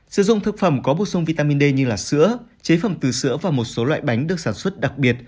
sử dụng thực phẩm có bổ sung vitamin d như sữa chế phẩm từ sữa và một số loại bánh được sản xuất đặc biệt